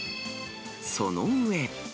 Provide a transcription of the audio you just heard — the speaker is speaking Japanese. その上。